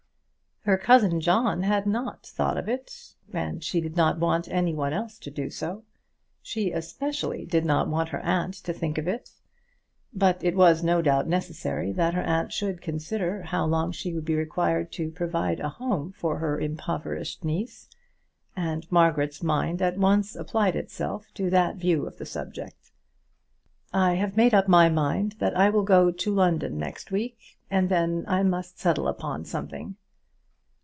Her cousin John had not thought of it, and she did not want any one else to do so. She especially did not want her aunt to think of it. But it was no doubt necessary that her aunt should consider how long she would be required to provide a home for her impoverished niece, and Margaret's mind at once applied itself to that view of the subject. "I have made up my mind that I will go to London next week, and then I must settle upon something."